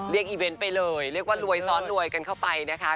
อีเวนต์ไปเลยเรียกว่ารวยซ้อนรวยกันเข้าไปนะคะ